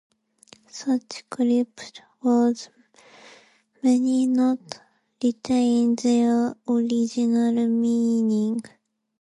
Such clipped words may not retain their original meaning.